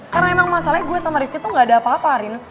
karena emang masalahnya gue sama rivki tuh gak ada apa apa arin